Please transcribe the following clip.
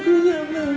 aku gak mau